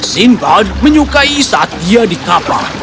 sinbad menyukai saat dia di kapal